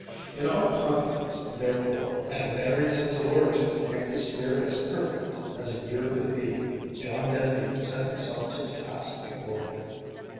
In all confidence, therefore, and with every sense alert to make this year as perfect as a year could be, John Denby set himself to the task before him.